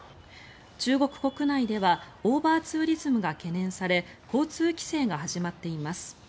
中国国内ではオーバーツーリズムが懸念され交通規制が始まっています。